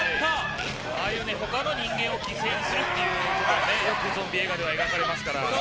ああいう他の人間を犠牲にするというのもよくゾンビ映画では描かれますから。